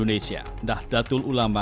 perang tu amat belilah perang